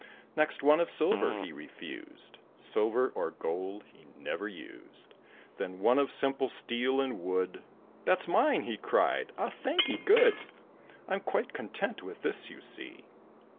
Next one of silver he refused; Silver or gold he never used. Then one of simple steel and wood; "That's mine!" he cried. "Ah! thankee good; I'm quite content with this, you see."